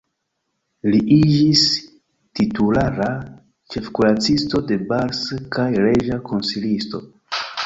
Li iĝis titulara ĉefkuracisto de Bars kaj reĝa konsilisto.